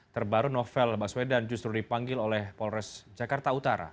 terbaru novel baswedan justru dipanggil oleh polres jakarta utara